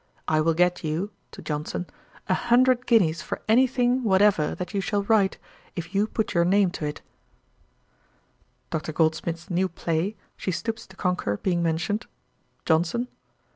I will get you (to Johnson,) a hundred guineas for any thing whatever that you shall write, if you put your name to it.' Dr. Goldmith's new play, She Stoops to Conquer, being mentioned; JOHNSON.